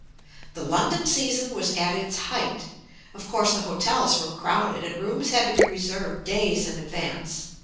The London season was at its height. Of course, the hotels were crowded and rooms had to be reserved days in advance.